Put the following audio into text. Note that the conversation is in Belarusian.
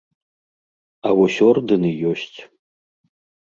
А вось ордэны ёсць.